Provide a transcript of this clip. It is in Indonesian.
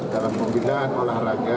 dalam pembinaan olahraga